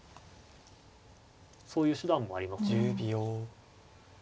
そういう手段もありますね。